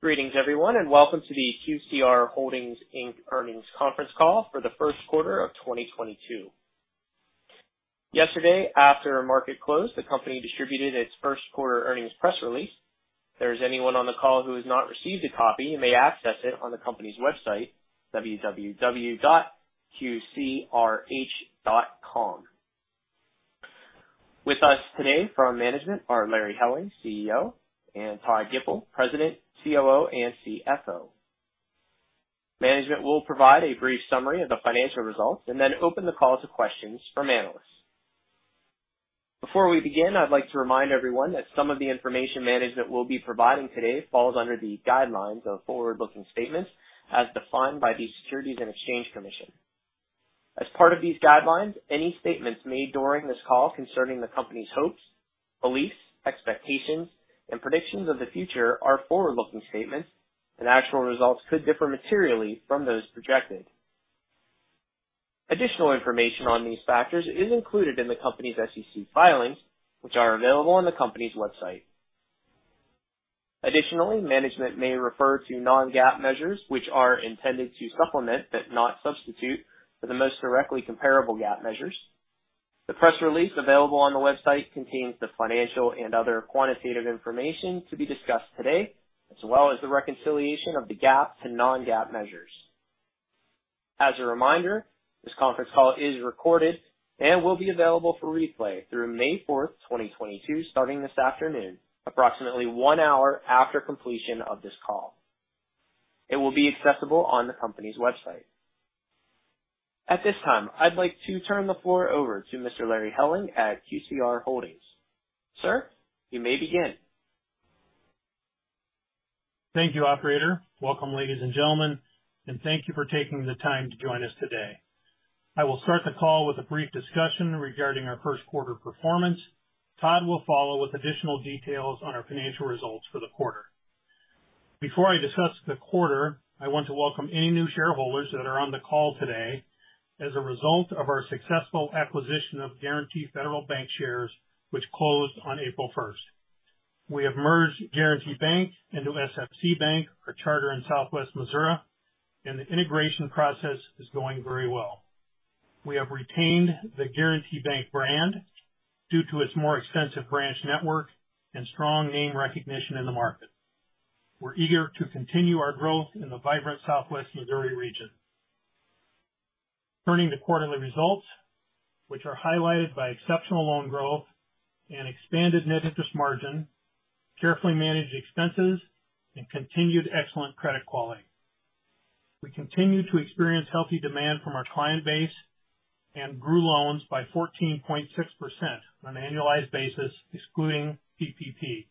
Greetings, everyone, and welcome to the QCR Holdings, Inc. earnings conference call for the first quarter of 2022. Yesterday, after market close, the company distributed its first quarter earnings press release. If there's anyone on the call who has not received a copy, you may access it on the company's website, www.qcrh.com. With us today from management are Larry Helling, CEO, and Todd Gipple, President, COO, and CFO. Management will provide a brief summary of the financial results and then open the call to questions from analysts. Before we begin, I'd like to remind everyone that some of the information management will be providing today falls under the guidelines of forward-looking statements as defined by the Securities and Exchange Commission. As part of these guidelines, any statements made during this call concerning the company's hopes, beliefs, expectations, and predictions of the future are forward-looking statements, and actual results could differ materially from those projected. Additional information on these factors is included in the company's SEC filings, which are available on the company's website. Additionally, management may refer to non-GAAP measures, which are intended to supplement, but not substitute, for the most directly comparable GAAP measures. The press release available on the website contains the financial and other quantitative information to be discussed today, as well as the reconciliation of the GAAP to non-GAAP measures. As a reminder, this conference call is recorded and will be available for replay through May fourth, twenty twenty-two, starting this afternoon, approximately one hour after completion of this call. It will be accessible on the company's website. At this time, I'd like to turn the floor over to Mr. Larry Helling at QCR Holdings. Sir, you may begin. Thank you, operator. Welcome, ladies and gentlemen, and thank you for taking the time to join us today. I will start the call with a brief discussion regarding our first quarter performance. Todd will follow with additional details on our financial results for the quarter. Before I discuss the quarter, I want to welcome any new shareholders that are on the call today as a result of our successful acquisition of Guaranty Federal Bancshares shares, which closed on April first. We have merged Guaranty Bank into SFC Bank, our charter in Southwest Missouri, and the integration process is going very well. We have retained the Guaranty Bank brand due to its more extensive branch network and strong name recognition in the market. We're eager to continue our growth in the vibrant Southwest Missouri region. Turning to quarterly results, which are highlighted by exceptional loan growth and expanded net interest margin, carefully managed expenses, and continued excellent credit quality. We continue to experience healthy demand from our client base and grew loans by 14.6% on an annualized basis, excluding PPP.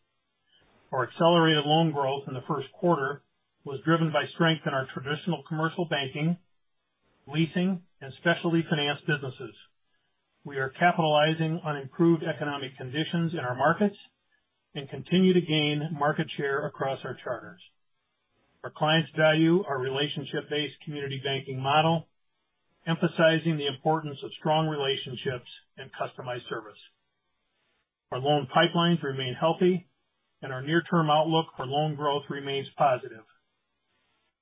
Our accelerated loan growth in the first quarter was driven by strength in our traditional commercial banking, leasing, and specialty finance businesses. We are capitalizing on improved economic conditions in our markets and continue to gain market share across our charters. Our clients value our relationship-based community banking model, emphasizing the importance of strong relationships and customized service. Our loan pipelines remain healthy and our near-term outlook for loan growth remains positive.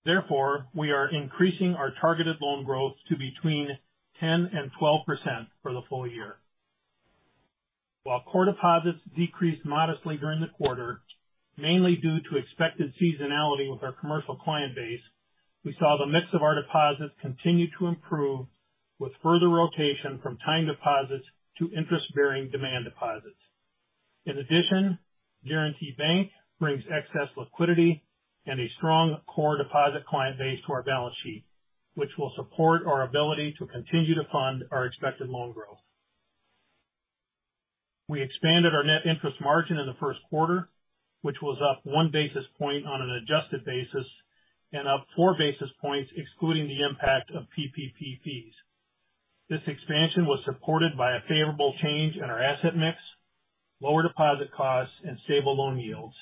Therefore, we are increasing our targeted loan growth to between 10% and 12% for the full year. While core deposits decreased modestly during the quarter, mainly due to expected seasonality with our commercial client base, we saw the mix of our deposits continue to improve with further rotation from time deposits to interest-bearing demand deposits. In addition, Guaranty Bank brings excess liquidity and a strong core deposit client base to our balance sheet, which will support our ability to continue to fund our expected loan growth. We expanded our net interest margin in the first quarter, which was up 1 basis point on an adjusted basis and up four basis points excluding the impact of PPP fees. This expansion was supported by a favorable change in our asset mix, lower deposit costs, and stable loan yields.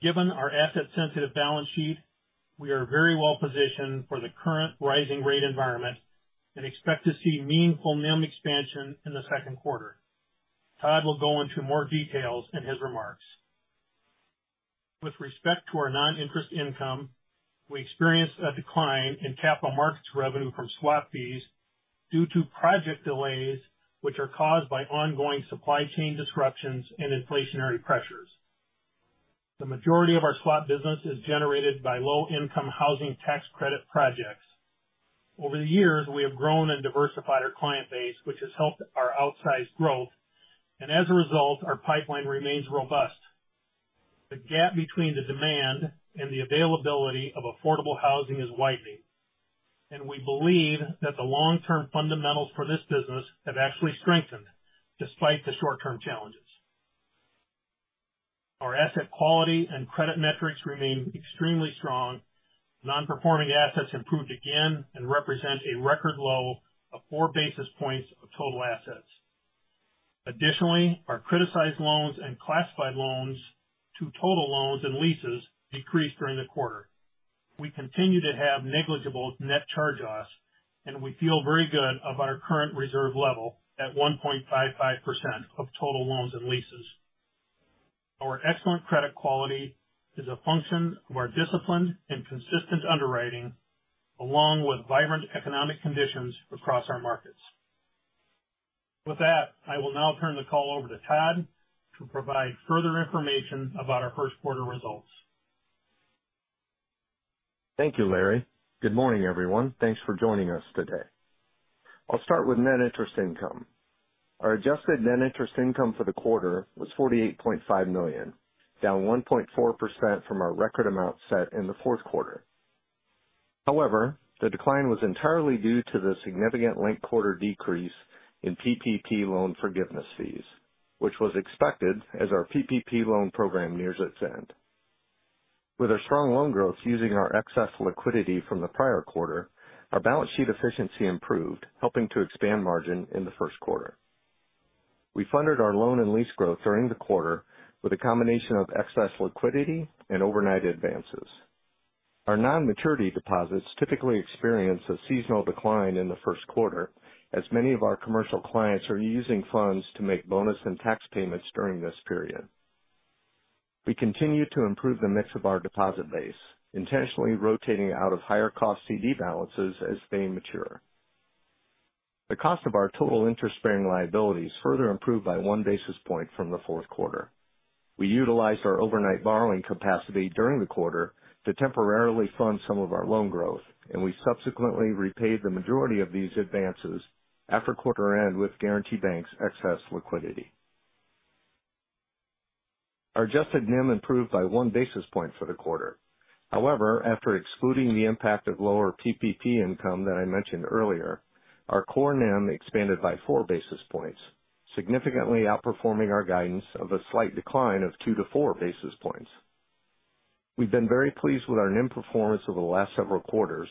Given our asset-sensitive balance sheet, we are very well positioned for the current rising rate environment and expect to see meaningful NIM expansion in the second quarter. Todd will go into more details in his remarks. With respect to our non-interest income, we experienced a decline in Capital Markets revenue from swap fees due to project delays, which are caused by ongoing supply chain disruptions and inflationary pressures. The majority of our swap business is generated by Low-Income Housing Tax Credit projects. Over the years, we have grown and diversified our client base, which has helped our outsized growth, and as a result, our pipeline remains robust. The gap between the demand and the availability of affordable housing is widening, and we believe that the long-term fundamentals for this business have actually strengthened despite the short-term challenges. Our asset quality and credit metrics remain extremely strong. Non-performing assets improved again and represent a record low of four basis points of total assets. Additionally, our criticized loans and classified loans to total loans and leases decreased during the quarter. We continue to have negligible net charge-offs, and we feel very good about our current reserve level at 1.55% of total loans and leases. Our excellent credit quality is a function of our disciplined and consistent underwriting, along with vibrant economic conditions across our markets. With that, I will now turn the call over to Todd to provide further information about our first quarter results. Thank you, Larry. Good morning, everyone. Thanks for joining us today. I'll start with net interest income. Our adjusted net interest income for the quarter was $48.5 million, down 1.4% from our record amount set in the fourth quarter. However, the decline was entirely due to the significant linked quarter decrease in PPP loan forgiveness fees, which was expected as our PPP loan program nears its end. With our strong loan growth using our excess liquidity from the prior quarter, our balance sheet efficiency improved, helping to expand margin in the first quarter. We funded our loan and lease growth during the quarter with a combination of excess liquidity and overnight advances. Our non-maturity deposits typically experience a seasonal decline in the first quarter, as many of our commercial clients are using funds to make bonus and tax payments during this period. We continue to improve the mix of our deposit base, intentionally rotating out of higher cost CD balances as they mature. The cost of our total interest-bearing liabilities further improved by one basis point from the fourth quarter. We utilized our overnight borrowing capacity during the quarter to temporarily fund some of our loan growth, and we subsequently repaid the majority of these advances after quarter end with Guaranty Bank's excess liquidity. Our adjusted NIM improved by 1 basis point for the quarter. However, after excluding the impact of lower PPP income that I mentioned earlier, our core NIM expanded by four basis points, significantly outperforming our guidance of a slight decline of two-four basis points. We've been very pleased with our NIM performance over the last several quarters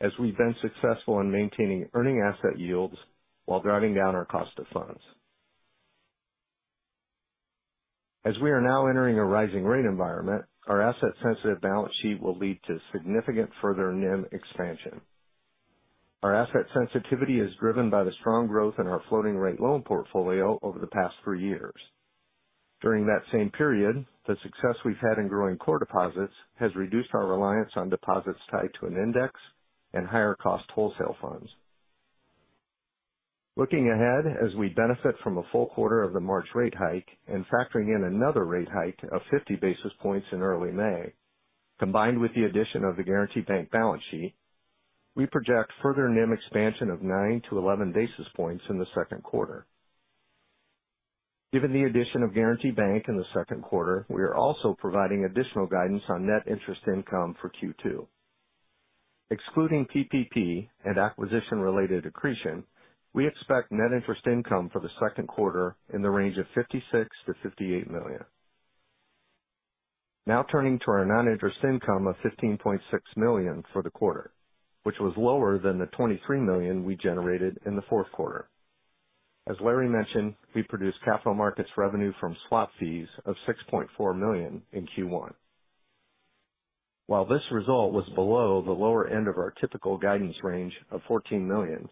as we've been successful in maintaining earning asset yields while driving down our cost of funds. As we are now entering a rising rate environment, our asset-sensitive balance sheet will lead to significant further NIM expansion. Our asset sensitivity is driven by the strong growth in our floating rate loan portfolio over the past three years. During that same period, the success we've had in growing core deposits has reduced our reliance on deposits tied to an index and higher cost wholesale funds. Looking ahead, as we benefit from a full quarter of the March rate hike and factoring in another rate hike of 50 basis points in early May, combined with the addition of the Guaranty Bank balance sheet, we project further NIM expansion of 9-11 basis points in the second quarter. Given the addition of Guaranty Bank in the second quarter, we are also providing additional guidance on net interest income for Q2. Excluding PPP and acquisition-related accretion, we expect net interest income for the second quarter in the range of $56 million-$58 million. Now turning to our non-interest income of $15.6 million for the quarter, which was lower than the $23 million we generated in the fourth quarter. As Larry mentioned, we produced capital markets revenue from swap fees of $6.4 million in Q1. While this result was below the lower end of our typical guidance range of $14 million,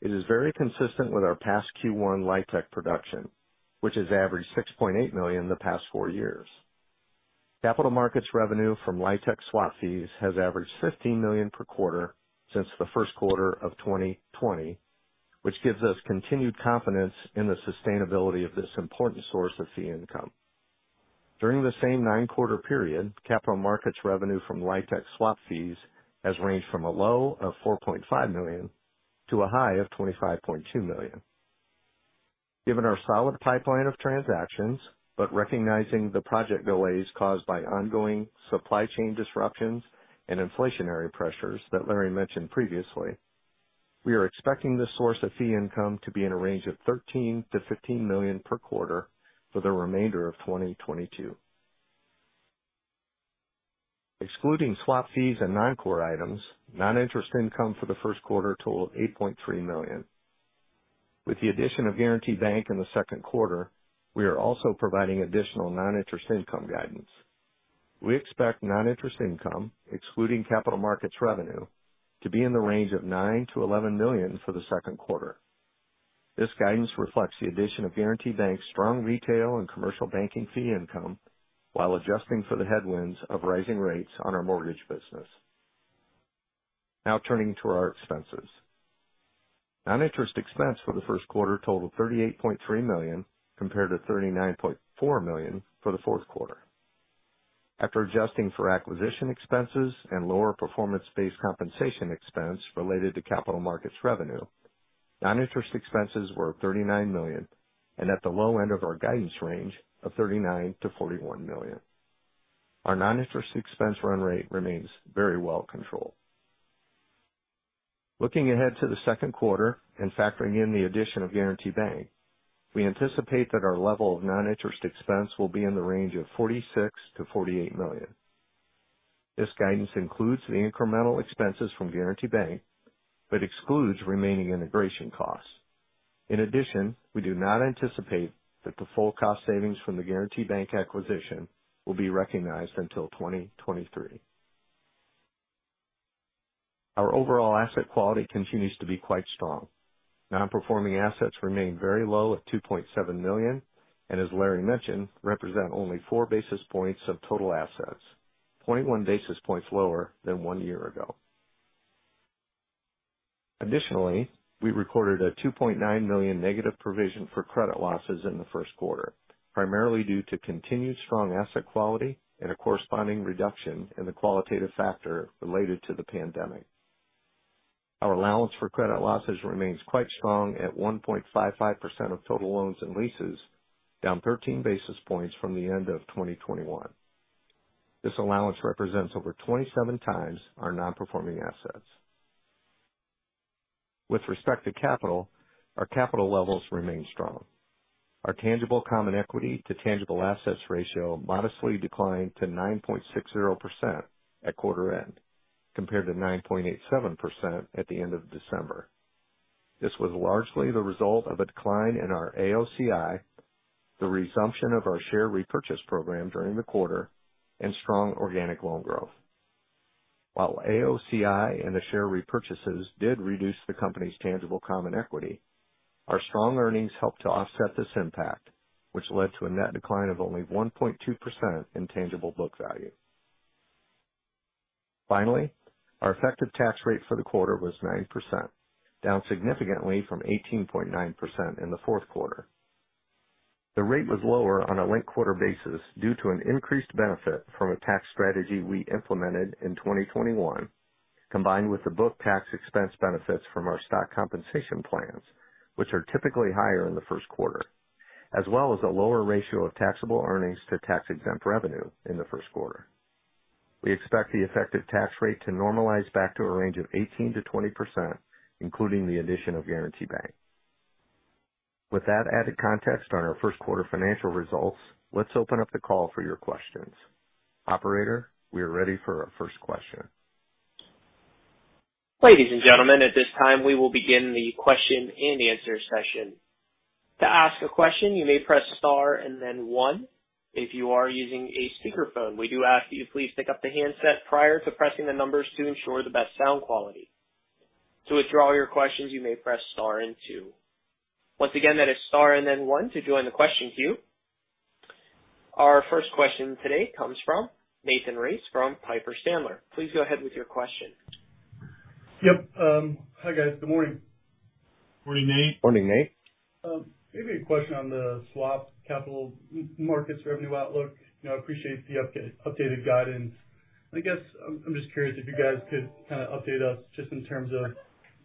it is very consistent with our past Q1 LIHTC production, which has averaged $6.8 million the past four years. Capital markets revenue from LIHTC swap fees has averaged $15 million per quarter since the first quarter of 2020, which gives us continued confidence in the sustainability of this important source of fee income. During the same nine-quarter period, capital markets revenue from LIHTC swap fees has ranged from a low of $4.5 million-$25.2 million. Given our solid pipeline of transactions, but recognizing the project delays caused by ongoing supply chain disruptions and inflationary pressures that Larry mentioned previously, we are expecting this source of fee income to be in a range of $13 million-$15 million per quarter for the remainder of 2022. Excluding swap fees and non-core items, non-interest income for the first quarter totaled $8.3 million. With the addition of Guaranty Bank in the second quarter, we are also providing additional non-interest income guidance. We expect non-interest income, excluding capital markets revenue, to be in the range of $9 million-$11 million for the second quarter. This guidance reflects the addition of Guaranty Bank's strong retail and commercial banking fee income while adjusting for the headwinds of rising rates on our mortgage business. Now turning to our expenses. Non-interest expense for the first quarter totaled $38.3 million, compared to $39.4 million for the fourth quarter. After adjusting for acquisition expenses and lower performance-based compensation expense related to Capital Markets revenue, non-interest expenses were $39 million and at the low end of our guidance range of $39-$41 million. Our non-interest expense run rate remains very well controlled. Looking ahead to the second quarter and factoring in the addition of Guaranty Bank, we anticipate that our level of non-interest expense will be in the range of $46-$48 million. This guidance includes the incremental expenses from Guaranty Bank but excludes remaining integration costs. In addition, we do not anticipate that the full cost savings from the Guaranty Bank acquisition will be recognized until 2023. Our overall asset quality continues to be quite strong. Non-performing assets remain very low at $2.7 million and as Larry mentioned, represent only four basis points of total assets, 21 basis points lower than one year ago. Additionally, we recorded a $2.9 million negative provision for credit losses in the first quarter, primarily due to continued strong asset quality and a corresponding reduction in the qualitative factor related to the pandemic. Our allowance for credit losses remains quite strong at 1.55% of total loans and leases, down 13 basis points from the end of 2021. This allowance represents over 27 times our non-performing assets. With respect to capital, our capital levels remain strong. Our tangible common equity to tangible assets ratio modestly declined to 9.60% at quarter end, compared to 9.87% at the end of December. This was largely the result of a decline in our AOCI, the resumption of our share repurchase program during the quarter, and strong organic loan growth. While AOCI and the share repurchases did reduce the company's tangible common equity, our strong earnings helped to offset this impact, which led to a net decline of only 1.2% in tangible book value. Finally, our effective tax rate for the quarter was 9%, down significantly from 18.9% in the fourth quarter. The rate was lower on a linked quarter basis due to an increased benefit from a tax strategy we implemented in 2021, combined with the book tax expense benefits from our stock compensation plans, which are typically higher in the first quarter, as well as a lower ratio of taxable earnings to tax-exempt revenue in the first quarter. We expect the effective tax rate to normalize back to a range of 18%-20%, including the addition of Guaranty Bank. With that added context on our first quarter financial results, let's open up the call for your questions. Operator, we are ready for our first question. Ladies and gentlemen, at this time, we will begin the question-and-answer session. To ask a question, you may press star and then one. If you are using a speakerphone, we do ask you please pick up the handset prior to pressing the numbers to ensure the best sound quality. To withdraw your questions, you may press star and two. Once again, that is star and then one to join the question queue. Our first question today comes from Nathan Race from Piper Sandler. Please go ahead with your question. Yep. Hi, guys. Good morning. Morning, Nate. Morning, Nate. Maybe a question on the swap capital markets revenue outlook. You know, I appreciate the updated guidance. I guess I'm just curious if you guys could kind of update us just in terms of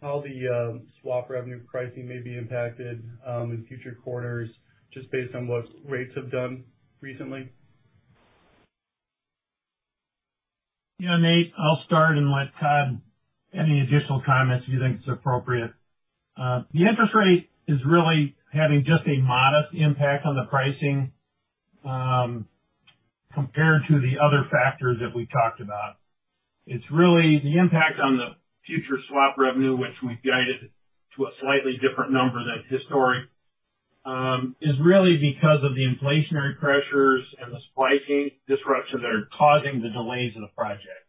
how the swap revenue pricing may be impacted in future quarters, just based on what rates have done recently. Yeah, Nate, I'll start and let Todd any additional comments if you think it's appropriate. The interest rate is really having just a modest impact on the pricing, compared to the other factors that we talked about. It's really the impact on the future swap revenue, which we've guided to a slightly different number than historic, is really because of the inflationary pressures and the supply chain disruptions that are causing the delays in the project.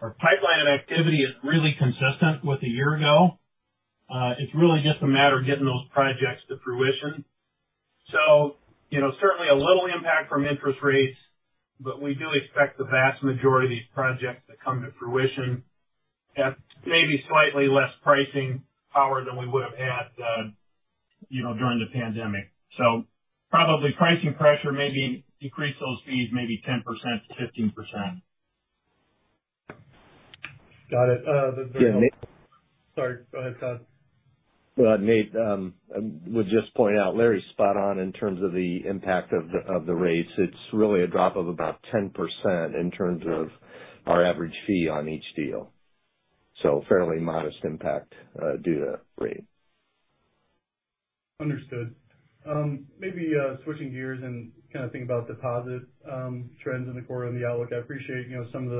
Our pipeline of activity is really consistent with a year ago. It's really just a matter of getting those projects to fruition. You know, certainly a little impact from interest rates, but we do expect the vast majority of these projects to come to fruition at maybe slightly less pricing power than we would have had, you know, during the pandemic. Probably pricing pressure maybe decrease those fees maybe 10%-15%. Got it. Yeah, Nate. Sorry, go ahead, Todd. Well, Nate, I would just point out Larry's spot on in terms of the impact of the rates. It's really a drop of about 10% in terms of our average fee on each deal, so fairly modest impact due to rate. Understood. Maybe switching gears and kind of think about deposit trends in the quarter and the outlook. I appreciate, you know, some of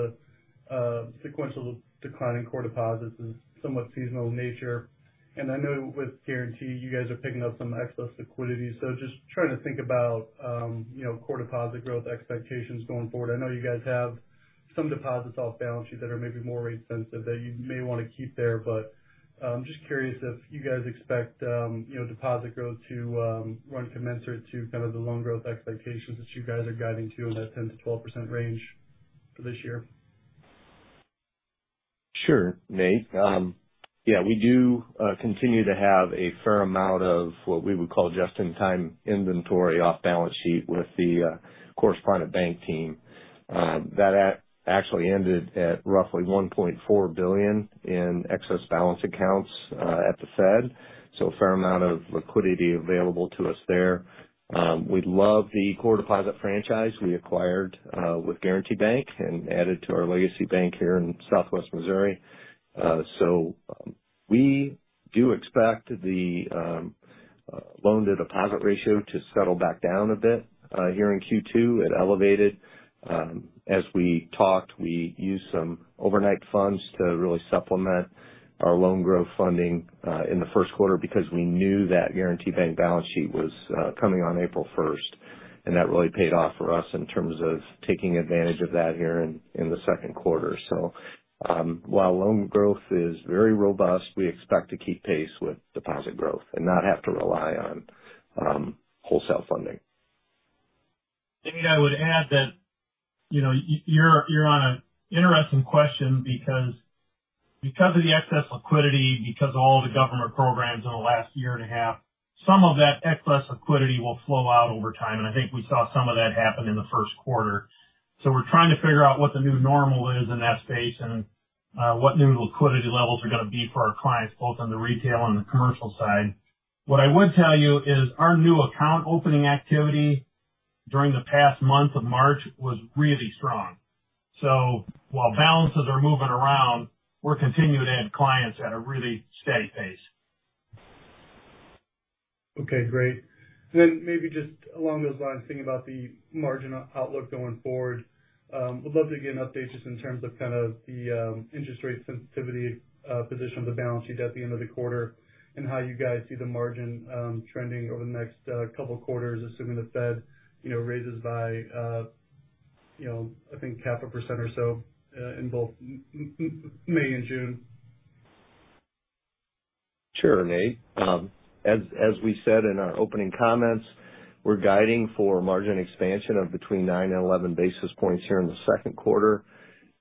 the sequential declining core deposits and somewhat seasonal nature. I know with Guaranty, you guys are picking up some excess liquidity. Just trying to think about, you know, core deposit growth expectations going forward. I know you guys have some deposits off balance sheet that are maybe more rate sensitive that you may want to keep there. I'm just curious if you guys expect, you know, deposit growth to run commensurate to kind of the loan growth expectations that you guys are guiding to in that 10%-12% range for this year. Sure, Nate. Yeah, we do continue to have a fair amount of what we would call just-in-time inventory off balance sheet with the correspondent bank team. That actually ended at roughly $1.4 billion in excess balance accounts at the Fed. So a fair amount of liquidity available to us there. We love the core deposit franchise we acquired with Guaranty Bank and added to our legacy bank here in Southwest Missouri. We do expect the loan to deposit ratio to settle back down a bit here in Q2. It elevated, as we talked, we used some overnight funds to really supplement our loan growth funding, in the first quarter because we knew that Guaranty Bank balance sheet was, coming on April first, and that really paid off for us in terms of taking advantage of that here in the second quarter. While loan growth is very robust, we expect to keep pace with deposit growth and not have to rely on, wholesale funding. Dave, I would add that, you know, you're on an interesting question because of the excess liquidity, because of all the government programs in the last year and a half, some of that excess liquidity will flow out over time, and I think we saw some of that happen in the first quarter. We're trying to figure out what the new normal is in that space and what new liquidity levels are gonna be for our clients, both on the retail and the commercial side. What I would tell you is our new account opening activity during the past month of March was really strong. While balances are moving around, we're continuing to add clients at a really steady pace. Okay, great. Maybe just along those lines, thinking about the margin outlook going forward, would love to get an update just in terms of kind of the interest rate sensitivity position of the balance sheet at the end of the quarter and how you guys see the margin trending over the next couple quarters, assuming the Fed you know raises by you know I think half a percent or so in both May and June. Sure, Nate. As we said in our opening comments, we're guiding for margin expansion of between 9 and 11 basis points here in the second quarter.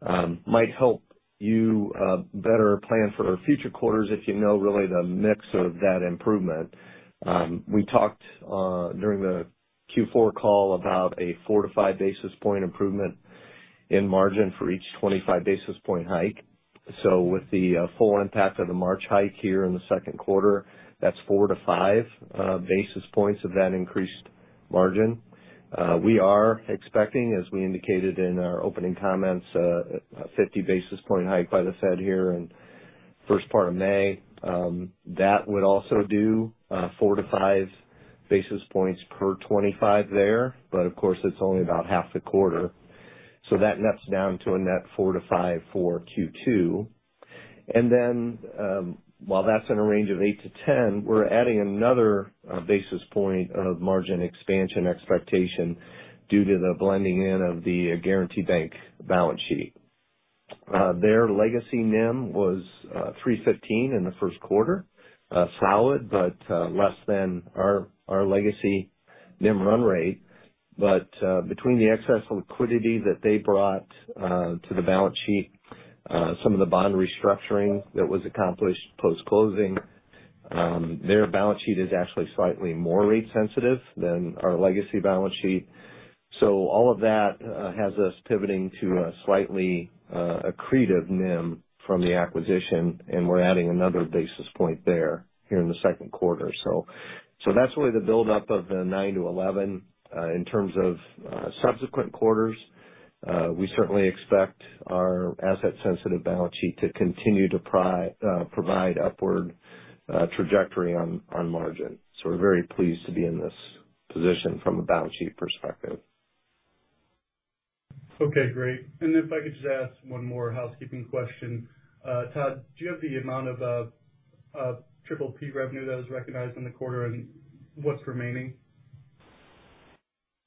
It might help you better plan for future quarters if you know really the mix of that improvement. We talked during the Q4 call about a 4-5 basis point improvement in margin for each 25 basis point hike. With the full impact of the March hike here in the second quarter, that's 4-5 basis points of that increased margin. We are expecting, as we indicated in our opening comments, a 50 basis point hike by the Fed here in first part of May. That would also do 4-5 basis points per 25 there, but of course, it's only about half the quarter. That nets down to a net 4-5 for Q2. While that's in a range of 8-10, we're adding another basis point of margin expansion expectation due to the blending in of the Guaranty Bank balance sheet. Their legacy NIM was 3.15% in the first quarter. Solid, but less than our legacy NIM run rate. Between the excess liquidity that they brought to the balance sheet, some of the bond restructuring that was accomplished post-closing, their balance sheet is actually slightly more rate sensitive than our legacy balance sheet. All of that has us pivoting to a slightly accreted NIM from the acquisition, and we're adding another basis point there here in the second quarter. That's really the buildup of the 9-11. In terms of subsequent quarters, we certainly expect our asset sensitive balance sheet to continue to provide upward trajectory on margin. We're very pleased to be in this position from a balance sheet perspective. Okay, great. If I could just ask one more housekeeping question. Todd, do you have the amount of PPP revenue that was recognized in the quarter and what's remaining?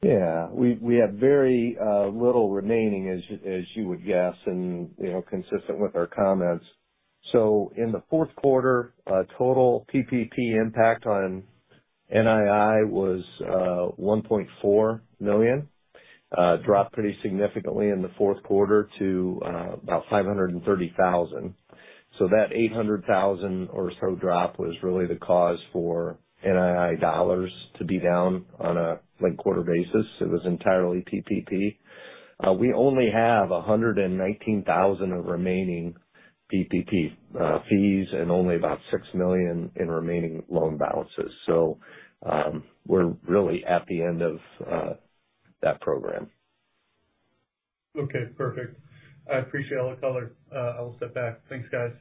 Yeah. We have very little remaining as you would guess and, you know, consistent with our comments. In the fourth quarter, total PPP impact on NII was $1.4 million. Dropped pretty significantly in the fourth quarter to about $530 thousand. That $800 thousand or so drop was really the cause for NII dollars to be down on a linked quarter basis. It was entirely PPP. We only have $119 thousand of remaining PPP fees and only about $6 million in remaining loan balances. We're really at the end of that program. Okay, perfect. I appreciate all the color. I will step back. Thanks, guys.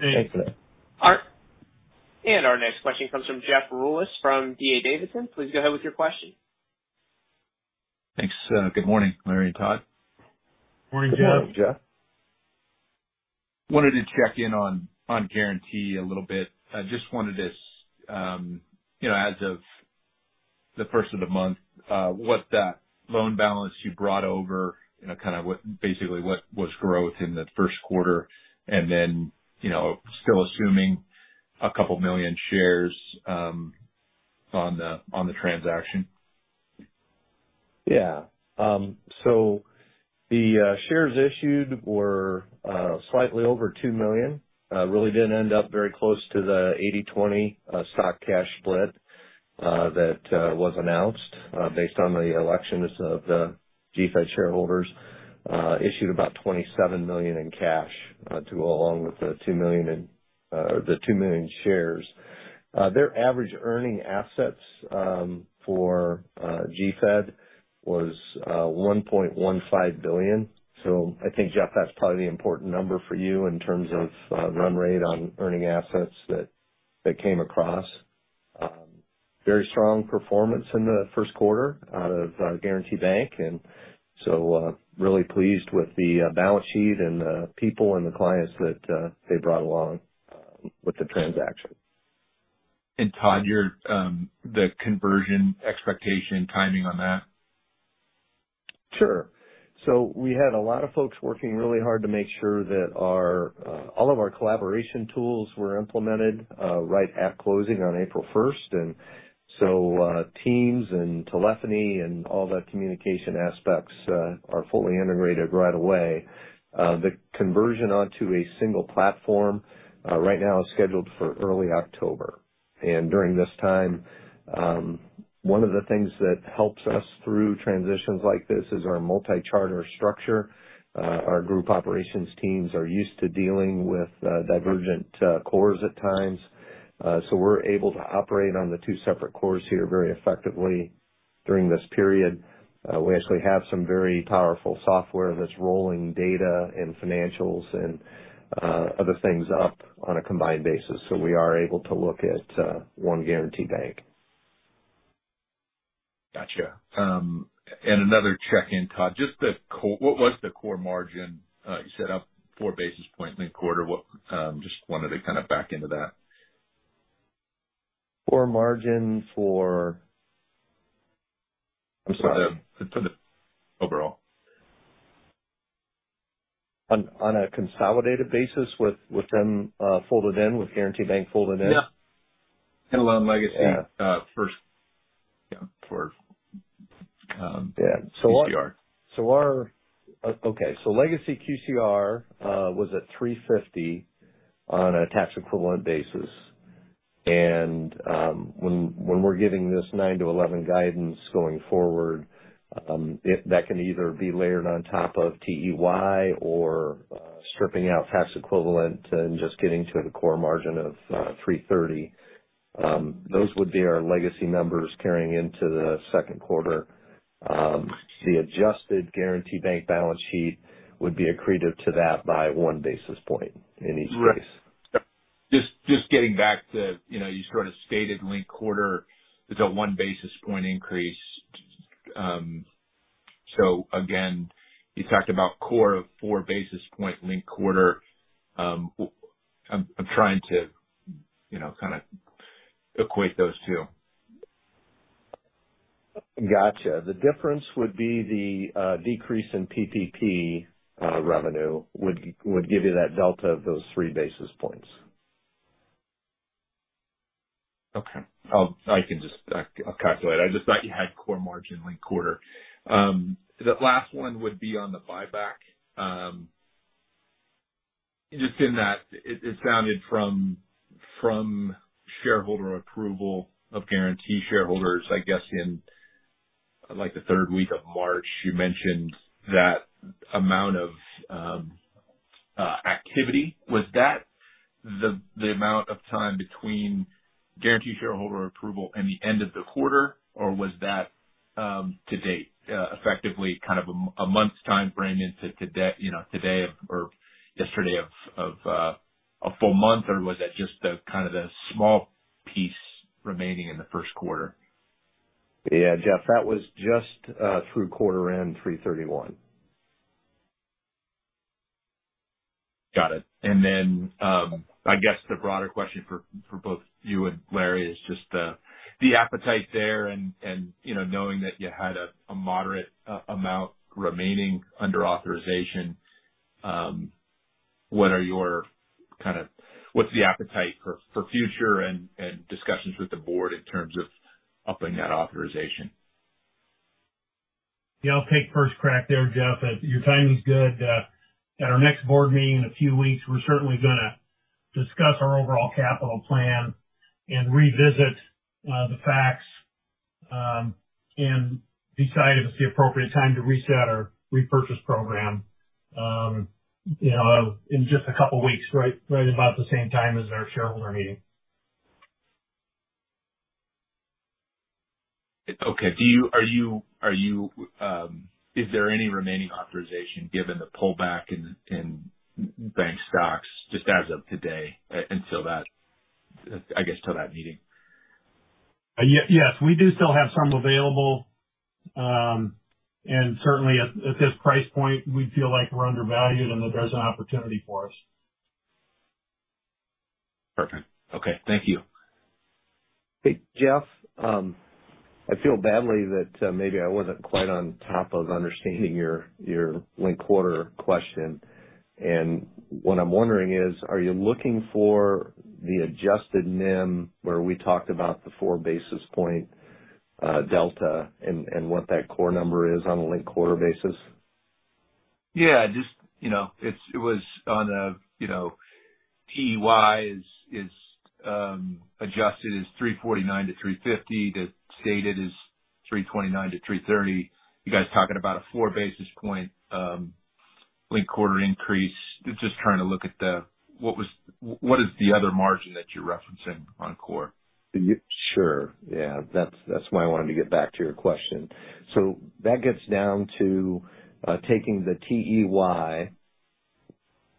Thanks. Thanks. Our next question comes from Jeffrey Rulis from D.A. Davidson. Please go ahead with your question. Thanks. Good morning, Larry and Todd. Morning, Jeff. Hello, Jeff. Wanted to check in on Guaranty a little bit. I just wanted to, you know, as of the first of the month, what that loan balance you brought over, you know, kind of basically what was growth in the first quarter, and then, you know, still assuming a couple million shares, on the transaction. Yeah. So the shares issued were slightly over 2 million. Really didn't end up very close to the 80/20 stock cash split that was announced based on the elections of the GFED shareholders. Issued about $27 million in cash to go along with the 2 million and the 2 million shares. Their average earning assets for GFED was $1.15 billion. I think, Jeff, that's probably the important number for you in terms of run rate on earning assets that came across. Very strong performance in the first quarter out of Guaranty Bank. Really pleased with the balance sheet and the people and the clients that they brought along with the transaction. Todd, the conversion expectation timing on that? Sure. We had a lot of folks working really hard to make sure that our all of our collaboration tools were implemented right at closing on April first. Teams and telephony and all the communication aspects are fully integrated right away. The conversion onto a single platform right now is scheduled for early October. During this time, one of the things that helps us through transitions like this is our multi-charter structure. Our group operations teams are used to dealing with divergent cores at times. We're able to operate on the two separate cores here very effectively during this period. We actually have some very powerful software that's rolling data and financials and other things up on a combined basis. We are able to look at one Guaranty Bank. Gotcha. Another check in Todd, just what was the core margin? You said up 4 basis points linked-quarter. What, just wanted to kind of back into that. Core margin for? I'm sorry. For the overall. On a consolidated basis with them folded in, with Guaranty Bank folded in? Yeah. Yeah. First, yeah for Yeah. QCR. Legacy QCR was at 3.50% on a tax equivalent basis. When we're giving this 9-11 guidance going forward, that can either be layered on top of TEY or stripping out tax equivalent and just getting to the core margin of 3.30%. Those would be our legacy numbers carrying into the second quarter. The adjusted Guaranty Bank balance sheet would be accretive to that by 1 basis point in each case. Right. Just getting back to, you know, you sort of stated linked quarter is a one basis point increase. Again, you talked about core of four basis point linked quarter. I'm trying to, you know, kind of equate those two. Gotcha. The difference would be the decrease in PPP revenue would give you that delta of those three basis points. Okay. I'll calculate. I just thought you had core margin linked quarter. The last one would be on the buyback. Just in that it sounded from shareholder approval of Guaranty shareholders, I guess in like the third week of March, you mentioned that amount of activity. Was that the amount of time between Guaranty shareholder approval and the end of the quarter? Or was that to date effectively kind of a month's timeframe into today, you know, today or yesterday of a full month? Or was that just the kind of small piece remaining in the first quarter? Yeah, Jeff, that was just through quarter end, 3/31. Got it. I guess the broader question for both you and Larry is just the appetite there and you know knowing that you had a moderate amount remaining under authorization, what's the appetite for future and discussions with the board in terms of upping that authorization? Yeah, I'll take first crack there, Jeff. Your timing's good. At our next board meeting in a few weeks, we're certainly gonna discuss our overall capital plan and revisit the facts and decide if it's the appropriate time to reset our repurchase program, you know, in just a couple of weeks. Right, right about the same time as our shareholder meeting. Okay. Is there any remaining authorization given the pullback in bank stocks just as of today until that, I guess, till that meeting? Yes, we do still have some available. Certainly at this price point we feel like we're undervalued and that there's an opportunity for us. Perfect. Okay. Thank you. Hey, Jeff. I feel badly that maybe I wasn't quite on top of understanding your linked quarter question. What I'm wondering is, are you looking for the adjusted NIM where we talked about the four basis point delta and what that core number is on a linked quarter basis? Yeah, just, you know, it was on a, you know, TEY is adjusted as 3.49%-3.50%. The stated is 3.29%-3.30%. You guys are talking about a four basis point linked-quarter increase. Just trying to look at what is the other margin that you're referencing on core? Sure. Yeah. That's why I wanted to get back to your question. That gets down to taking the TEY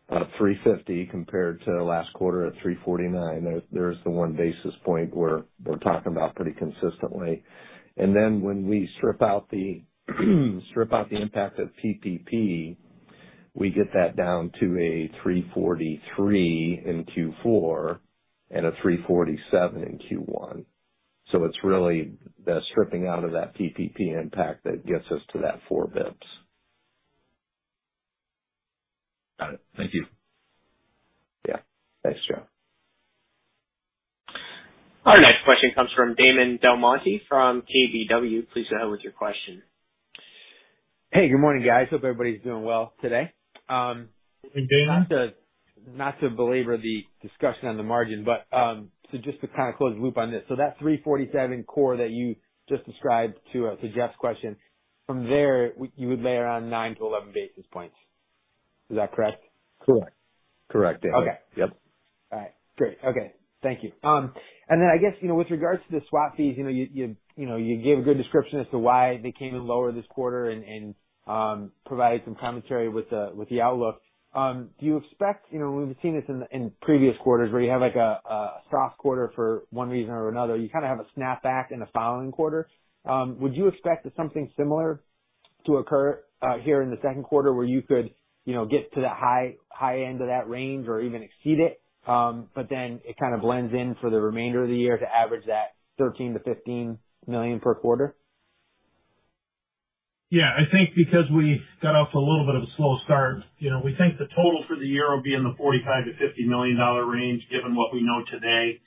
about 3.50% compared to last quarter at 3.49%. There is the one basis point where we're talking about pretty consistently. Then when we strip out the impact of PPP, we get that down to a 3.43% in Q4 and a 3.47% in Q1. It's really the stripping out of that PPP impact that gets us to that four basis points. Got it. Thank you. Yeah. Thanks, Joe. Our next question comes from Damon DelMonte from KBW. Please go ahead with your question. Hey, good morning, guys. Hope everybody's doing well today. Morning, Damon. Not to belabor the discussion on the margin, but just to kind of close the loop on this. That 347 core that you just described to Jeff's question, from there, you would layer on 9-11 basis points. Is that correct? Correct. Correct. Okay. Yep. All right. Great. Okay. Thank you. I guess, you know, with regards to the swap fees, you know, you gave a good description as to why they came in lower this quarter and provided some commentary with the outlook. Do you expect you know, we've seen this in previous quarters where you have like a soft quarter for one reason or another, you kind of have a snap back in the following quarter. Would you expect something similar to occur here in the second quarter where you could, you know, get to that high end of that range or even exceed it, but then it kind of blends in for the remainder of the year to average that $13 million-$15 million per quarter? Yeah. I think because we got off to a little bit of a slow start, you know, we think the total for the year will be in the $45-$50 million range, given what we know today.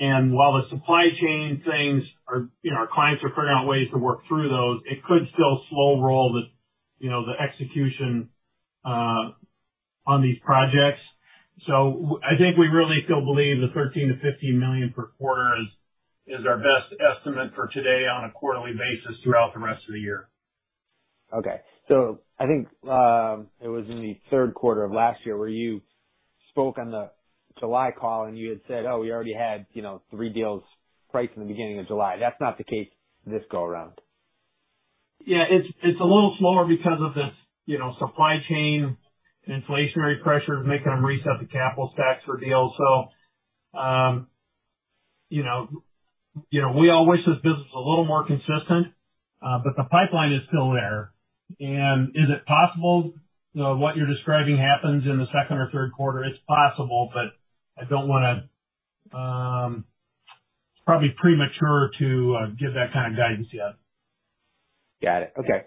While the supply chain things are, you know, our clients are figuring out ways to work through those, it could still slow roll the, you know, the execution on these projects. I think we really still believe the $13-$15 million per quarter is our best estimate for today on a quarterly basis throughout the rest of the year. I think it was in the third quarter of last year where you spoke on the July call and you had said, oh, we already had, you know, 3 deals priced in the beginning of July. That's not the case this go around. Yeah. It's a little slower because of this, you know, supply chain inflationary pressures making them reset the capital stacks for deals. You know, we all wish this business was a little more consistent, but the pipeline is still there. Is it possible, you know, what you're describing happens in the second or third quarter? It's possible, but I don't wanna. It's probably premature to give that kind of guidance yet. Got it. Okay.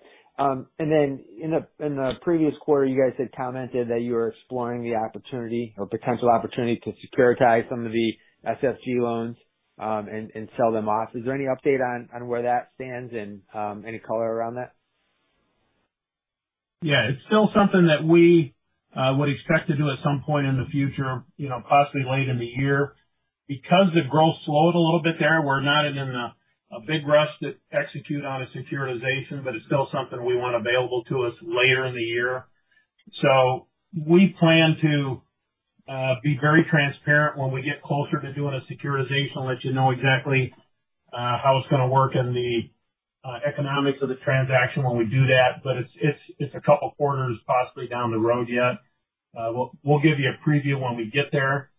In the previous quarter, you guys had commented that you were exploring the opportunity or potential opportunity to securitize some of the SFG loans and sell them off. Is there any update on where that stands and any color around that? Yeah. It's still something that we would expect to do at some point in the future, you know, possibly late in the year. Because the growth slowed a little bit there, we're not in a big rush to execute on a securitization, but it's still something we want available to us later in the year. We plan to be very transparent when we get closer to doing a securitization and let you know exactly how it's gonna work and the economics of the transaction when we do that. It's a couple quarters possibly down the road yet. We'll give you a preview when we get there.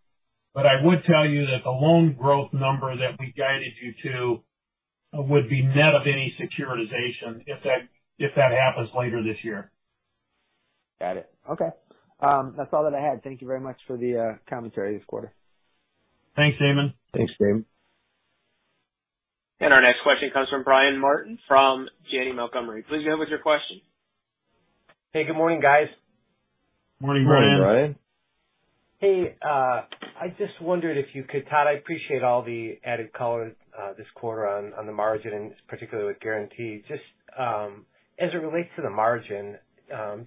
I would tell you that the loan growth number that we guided you to would be net of any securitization if that happens later this year. Got it. Okay. That's all that I had. Thank you very much for the commentary this quarter. Thanks, Damon. Thanks, Damon. Our next question comes from Brian Martin from Janney Montgomery. Please go ahead with your question. Hey, good morning, guys. Morning, Brian. Morning, Brian. Hey, Todd, I appreciate all the added color this quarter on the margin and particularly with Guaranty. Just, as it relates to the margin,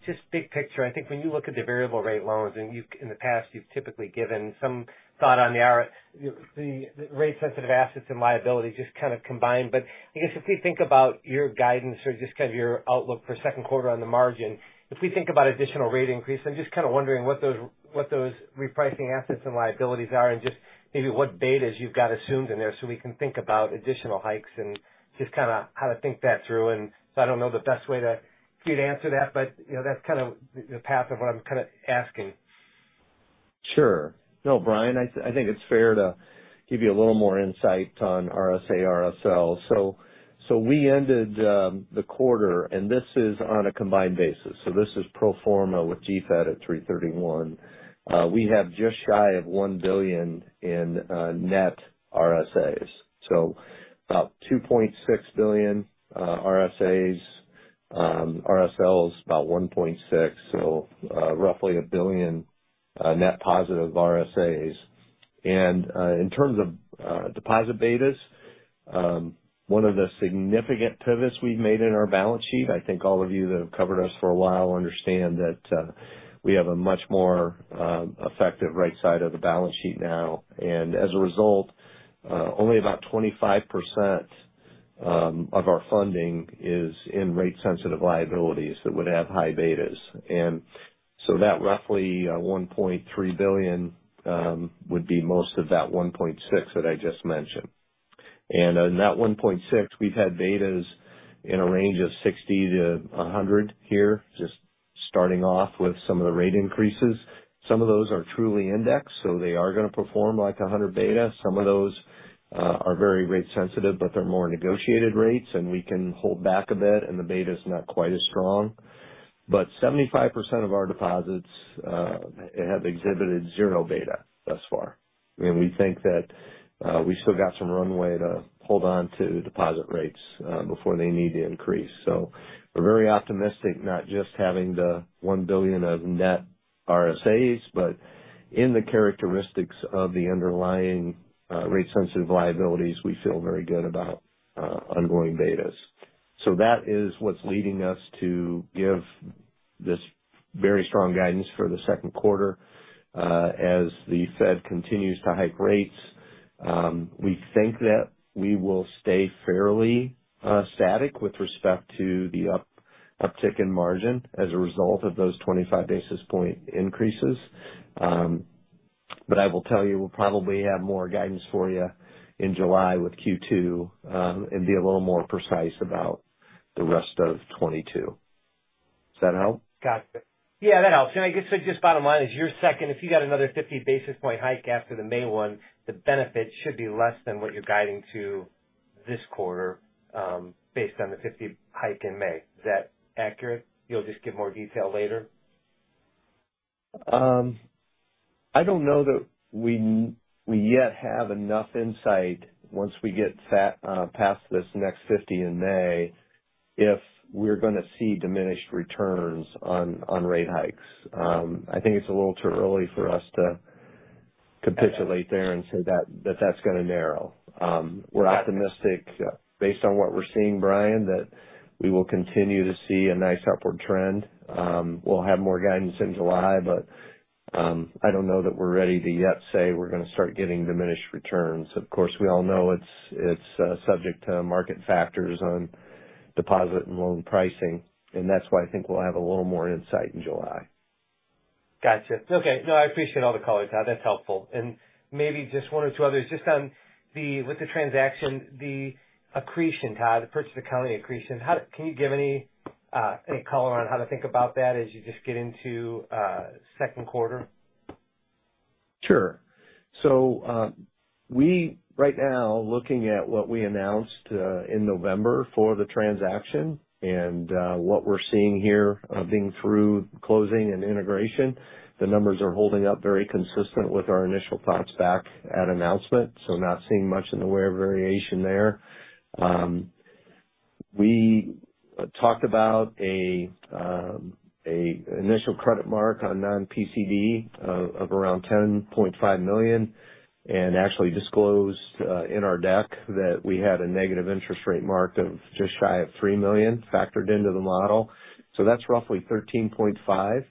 just big picture, I think when you look at the variable rate loans and in the past, you've typically given some thought on the rate sensitive assets and liabilities just kind of combined. I guess if we think about your guidance or just kind of your outlook for second quarter on the margin, if we think about additional rate increase, I'm just kind of wondering what those repricing assets and liabilities are and just maybe what betas you've got assumed in there so we can think about additional hikes and just kinda how to think that through. I don't know the best way for you to answer that, but, you know, that's kind of the path of what I'm kinda asking. Sure. No, Brian, I think it's fair to give you a little more insight on RSA, RSL. We ended the quarter, and this is on a combined basis, so this is pro forma with GFED at 3/31. We have just shy of $1 billion in net RSAs. So about $2.6 billion RSAs. RSLs about $1.6 billion. Roughly $1 billion net positive RSAs. In terms of deposit betas, one of the significant pivots we've made in our balance sheet, I think all of you that have covered us for a while understand that, we have a much more effective right side of the balance sheet now. As a result, only about 25% of our funding is in rate sensitive liabilities that would have high betas. That roughly $1.3 billion would be most of that $1.6 billion that I just mentioned. In that $1.6 billion, we've had betas in a range of 60-100 here, just starting off with some of the rate increases. Some of those are truly indexed, so they are gonna perform like a 100 beta. Some of those are very rate sensitive, but they're more negotiated rates, and we can hold back a bit, and the beta's not quite as strong. 75% of our deposits have exhibited zero beta thus far. I mean, we think that we still got some runway to hold on to deposit rates before they need to increase. We're very optimistic, not just having the $1 billion of net RSAs, but in the characteristics of the underlying, rate sensitive liabilities. We feel very good about ongoing betas. That is what's leading us to give this very strong guidance for the second quarter. As the Fed continues to hike rates, we think that we will stay fairly static with respect to the uptick in margin as a result of those 25 basis point increases. But I will tell you, we'll probably have more guidance for you in July with Q2, and be a little more precise about the rest of 2022. Does that help? Got it. Yeah, that helps. I guess, so just bottom line, as your second, if you got another 50 basis point hike after the May one, the benefit should be less than what you're guiding to this quarter, based on the 50 hike in May. Is that accurate? You'll just give more detail later? I don't know that we yet have enough insight once we get past this next 50 in May, if we're gonna see diminished returns on rate hikes. I think it's a little too early for us to capitulate there and say that that's gonna narrow. We're optimistic based on what we're seeing, Brian, that we will continue to see a nice upward trend. We'll have more guidance in July, but I don't know that we're ready to yet say we're gonna start getting diminished returns. Of course, we all know it's subject to market factors on deposit and loan pricing, and that's why I think we'll have a little more insight in July. Gotcha. Okay. No, I appreciate all the color, Todd. That's helpful. Maybe just one or two others just on with the transaction, the accretion, Todd, the purchase accounting accretion. Can you give any color on how to think about that as you just get into second quarter? Sure. We right now looking at what we announced in November for the transaction and, what we're seeing here, being through closing and integration. The numbers are holding up very consistent with our initial thoughts back at announcement, so not seeing much in the way of variation there. We talked about a initial credit mark on non-PCD of around $10.5 million, and actually disclosed in our deck that we had a negative interest rate mark of just shy of $3 million factored into the model. That's roughly $13.5 million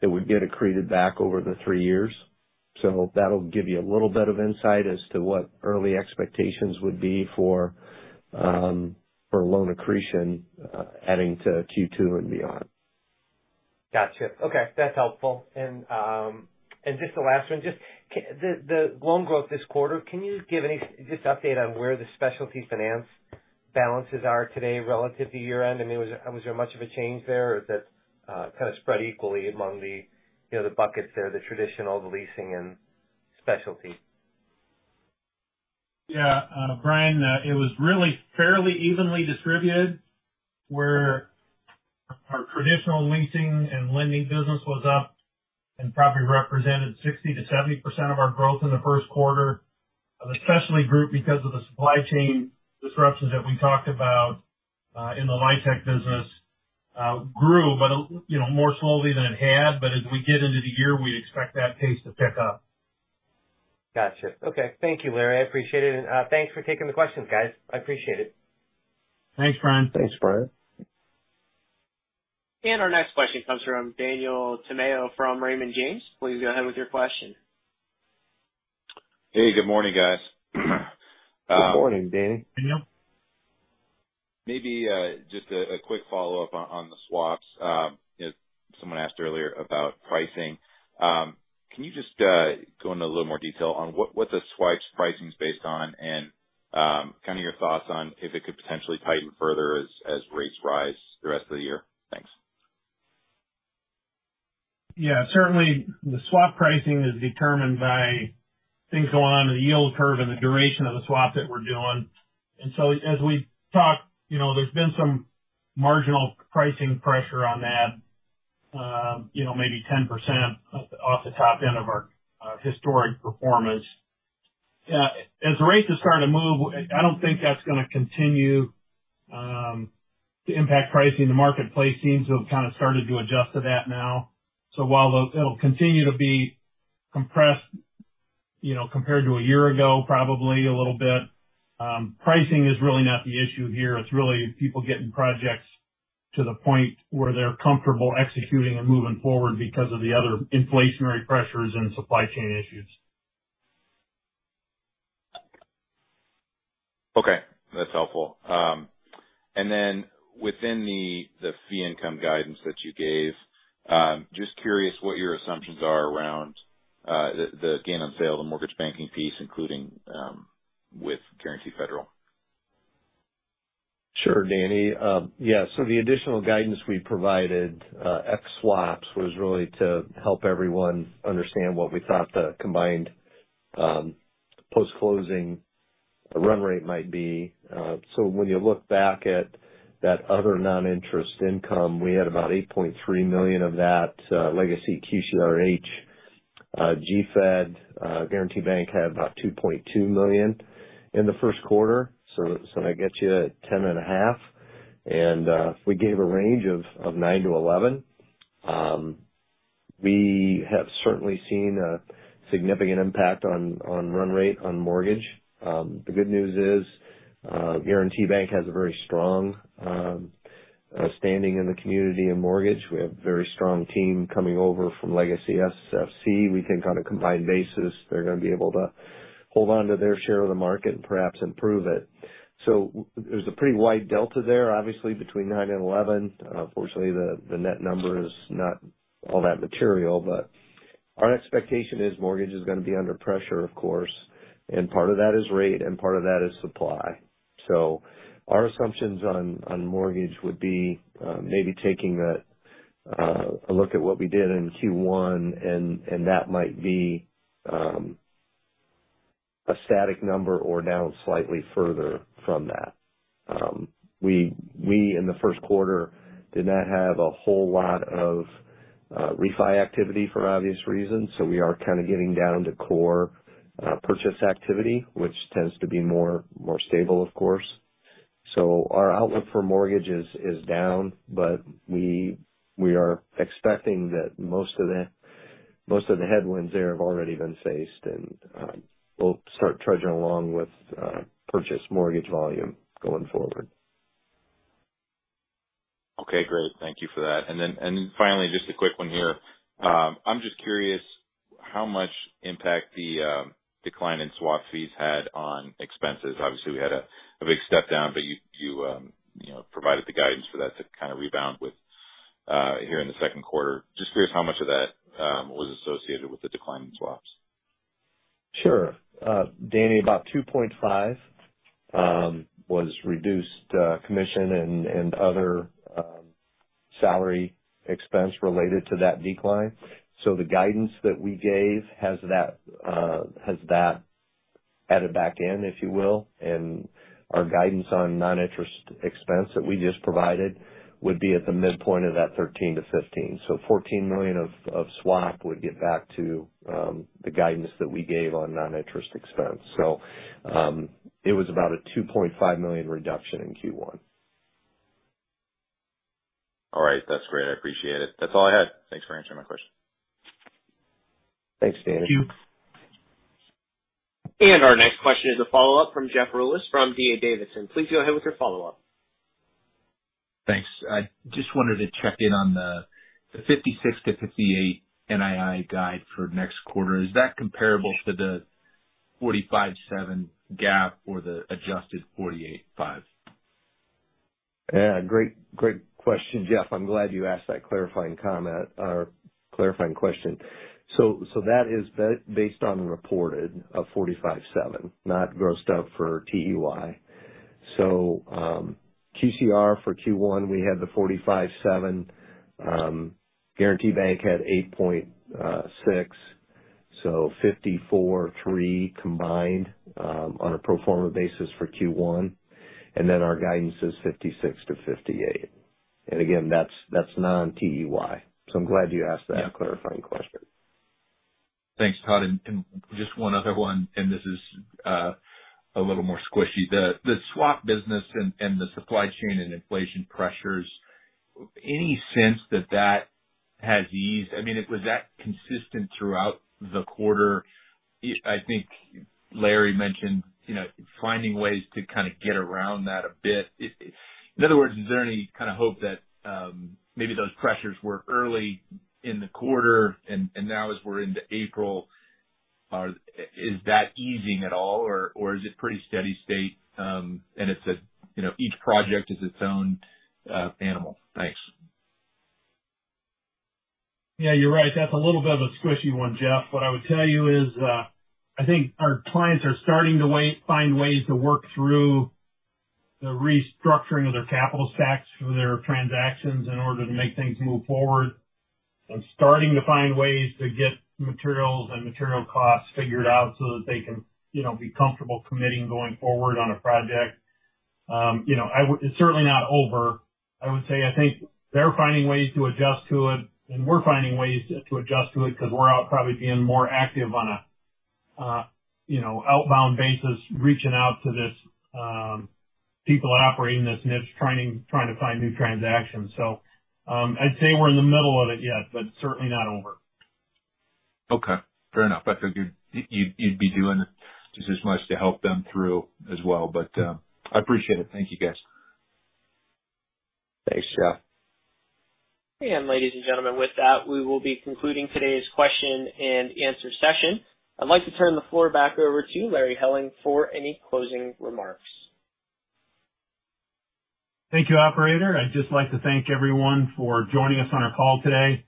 that would get accreted back over the 3 years. That'll give you a little bit of insight as to what early expectations would be for loan accretion heading to Q2 and beyond. Gotcha. Okay, that's helpful. Just the last one. Just the loan growth this quarter, can you give just update on where the specialty finance balances are today relative to year-end? Was there much of a change there or is that kind of spread equally among the, you know, the buckets there, the traditional leasing and specialty? Yeah, Brian, it was really fairly evenly distributed, where our traditional leasing and lending business was up and probably represented 60%-70% of our growth in the first quarter. The specialty group, because of the supply chain disruptions that we talked about, in the LIHTC business, grew, but you know, more slowly than it had. As we get into the year, we expect that pace to pick up. Gotcha. Okay. Thank you, Larry. I appreciate it. Thanks for taking the questions, guys. I appreciate it. Thanks, Brian. Thanks, Brian. Our next question comes from Daniel Tamayo from Raymond James. Please go ahead with your question. Hey, good morning, guys. Good morning, Daniel. Daniel. Maybe just a quick follow-up on the swaps. You know, someone asked earlier about pricing. Can you just go into a little more detail on what the swaps pricing is based on and kind of your thoughts on if it could potentially tighten further as rates rise the rest of the year? Thanks. Yeah, certainly the swap pricing is determined by things going on in the yield curve and the duration of the swap that we're doing. As we talk, you know, there's been some marginal pricing pressure on that, you know, maybe 10% off the top end of our historic performance. As rates are starting to move, I don't think that's gonna continue to impact pricing. The marketplace seems to have kinda started to adjust to that now. While it'll continue to be compressed, you know, compared to a year ago, probably a little bit. Pricing is really not the issue here. It's really people getting projects to the point where they're comfortable executing and moving forward because of the other inflationary pressures and supply chain issues. Okay, that's helpful. Within the fee income guidance that you gave, just curious what your assumptions are around the gain on sale of the mortgage banking piece, including with Guaranty Federal? Sure, Danny. Yeah. The additional guidance we provided, ex swaps was really to help everyone understand what we thought the combined, post-closing run rate might be. When you look back at that other non-interest income, we had about $8.3 million of that, legacy QCRH. GFED, Guaranty Bank had about $2.2 million in the first quarter. That gets you at 10.5. We gave a range of 9-11. We have certainly seen a significant impact on run rate on mortgage. The good news is, Guaranty Bank has a very strong standing in the community and mortgage. We have very strong team coming over from Legacy SFC. We think on a combined basis, they're gonna be able to hold on to their share of the market and perhaps improve it. There's a pretty wide delta there, obviously between 9 and 11. Unfortunately, the net number is not all that material, but our expectation is mortgage is gonna be under pressure, of course, and part of that is rate and part of that is supply. Our assumptions on mortgage would be maybe taking a look at what we did in Q1, and that might be a static number or down slightly further from that. We in the first quarter did not have a whole lot of refi activity for obvious reasons. We are kind of getting down to core purchase activity, which tends to be more stable of course. Our outlook for mortgages is down, but we are expecting that most of the headwinds there have already been faced and we'll start trudging along with purchase mortgage volume going forward. Okay, great. Thank you for that. Finally, just a quick one here. I'm just curious how much impact the decline in swap fees had on expenses. Obviously, we had a big step down, but you know, provided the guidance for that to kind of rebound with here in the second quarter. Just curious how much of that was associated with the decline in swaps. Sure. Daniel, about $2.5 was reduced commission and other salary expense related to that decline. The guidance that we gave has that added back in, if you will. Our guidance on non-interest expense that we just provided would be at the midpoint of that $13-$15 million. $14 million of swap would get back to the guidance that we gave on non-interest expense. It was about a $2.5 million reduction in Q1. All right. That's great. I appreciate it. That's all I had. Thanks for answering my question. Thanks, Danny. Thank you. Our next question is a follow-up from Jeffrey Rulis from D.A. Davidson. Please go ahead with your follow-up. Thanks. I just wanted to check in on the $56-$58 NII guide for next quarter. Is that comparable to the $45.7 GAAP or the adjusted $48.5? Yeah. Great question, Jeff. I'm glad you asked that clarifying comment or clarifying question. That is based on the reported 45.7%, not grossed up for TEY. QCR for Q1, we had the 45.7%. Guaranty Bank had 8.6%, so 54.3% combined, on a pro forma basis for Q1, and then our guidance is 56%-58%. Again, that's non-TEY. I'm glad you asked that clarifying question. Thanks, Todd. Just one other one, and this is a little more squishy. The swap business and the supply chain and inflation pressures. Any sense that that has eased? I mean, was that consistent throughout the quarter? I think Larry mentioned, you know, finding ways to kind of get around that a bit. In other words, is there any kind of hope that maybe those pressures were early in the quarter and now as we're into April, is that easing at all or is it pretty steady state? It's a, you know, each project is its own animal. Thanks. Yeah, you're right. That's a little bit of a squishy one, Jeff. What I would tell you is, I think our clients are starting to find ways to work through the restructuring of their capital stacks for their transactions in order to make things move forward. They're starting to find ways to get materials and material costs figured out so that they can, you know, be comfortable committing going forward on a project. You know, it's certainly not over. I would say, I think they're finding ways to adjust to it, and we're finding ways to adjust to it because we're out probably being more active on a, you know, outbound basis, reaching out to this, people operating this niche, trying to find new transactions. I'd say we're in the middle of it yet, but certainly not over. Okay, fair enough. I figured you'd be doing just as much to help them through as well. I appreciate it. Thank you, guys. Thanks, Jeff. Ladies and gentlemen, with that, we will be concluding today's question-and-answer session. I'd like to turn the floor back over to Larry Helling for any closing remarks. Thank you, Operator. I'd just like to thank everyone for joining us on our call today.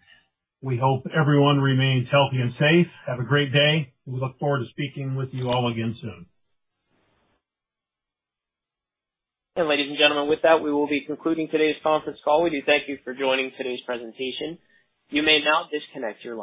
We hope everyone remains healthy and safe. Have a great day, and we look forward to speaking with you all again soon. Ladies and gentlemen, with that, we will be concluding today's conference call. We do thank you for joining today's presentation. You may now disconnect your lines.